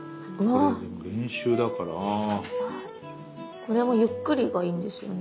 これもゆっくりがいいんですよね？